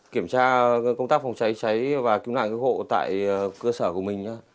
kiểm tra công tác phòng cháy cháy và cứu nạn cứu hộ tại cơ sở của mình